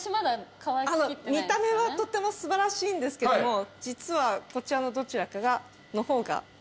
見た目はとっても素晴らしいんですけども実はこちらのどちらかの方が良かった。